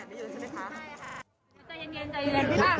เจียนคุณเต้พูดอะไรนักกะติกค่ะค่ะครับ